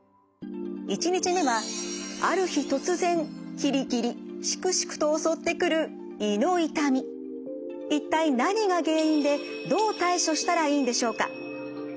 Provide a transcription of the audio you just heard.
１日目はある日突然キリキリシクシクと襲ってくる一体何が原因でどう対処したらいいんでしょうか。